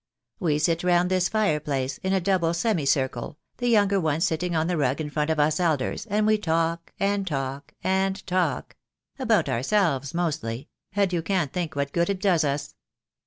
We sit round this fire place in a double semi circle, the younger ones sitting on the rug in front of us elders, and we talk, and talk, and talk — about ourselves mostly, and you can't think what good it does us.